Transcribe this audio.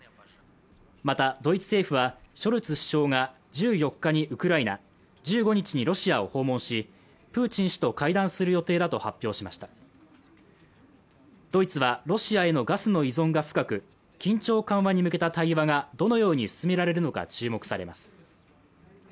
またドイツ政府はショルツ首相が１４日にウクライナ１５日にロシアを訪問しプーチン氏と会談する予定だと発表しましたドイツはロシアへのガスの依存が深く緊張緩和に向けた対話がどのように進められるのか注目されます